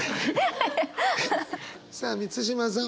さあ満島さん